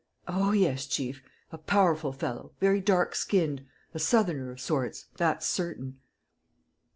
"Oh yes, chief ... a powerful fellow, very dark skinned ... a southerner of sorts, that's certain.